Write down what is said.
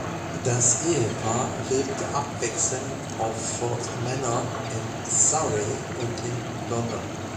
Das Ehepaar lebte abwechselnd auf "Ford Manor" in Surrey und in London.